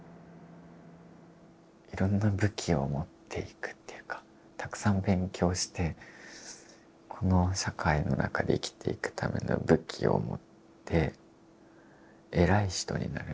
いろんな武器を持っていくっていうかたくさん勉強してこの社会の中で生きていくための武器を持って偉い人になるみたいな。